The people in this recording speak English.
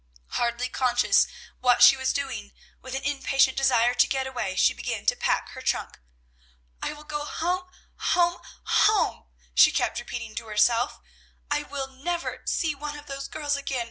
Hardly conscious what she was doing, with an impatient desire to get away, she began to pack her trunk. "I will go home, home, home!" she kept repeating to herself. "I never will see one of those girls again.